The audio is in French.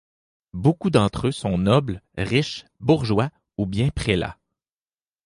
Beaucoup d'entre eux sont nobles, riches bourgeois ou bien prélats.